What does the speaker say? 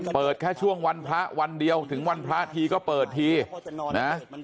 เปิดแค่ช่วงวันพระวันเดียวถึงวันพระทีก็เปิดทีนะ